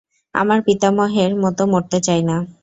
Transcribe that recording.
আমি পিতামহের মতো মরতে চাই না।